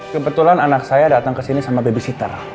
kebetulan anak saya datang ke sini sama babysitter